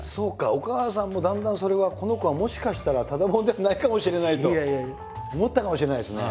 お母さんもだんだんそれはこの子はもしかしたらただ者ではないかもしれないと思ったかもしれないですね。